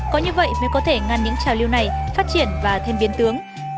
có như vậy mới có thể ngăn những trào lưu này phát triển và thêm biến tướng